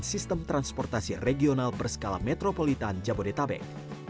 terkoneksi dengan transportasi regional berskala metropolitan jabodetabek